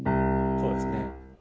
そうですね。